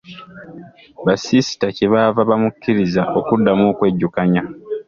Basiisita kye baava bamukkiriza okuddamu okwejjukanya.